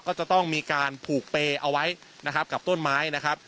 ก็จะต้องมีการผูกเปย์เอาไว้นะครับกับต้นไม้นะครับ